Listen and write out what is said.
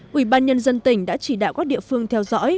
quỹ ban nhân dân tỉnh đã chỉ đạo các địa phương theo dõi